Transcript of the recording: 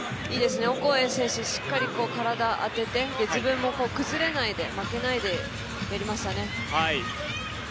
オコエ選手、しっかり体当てて自分も崩れないで負けないで、やりましたね。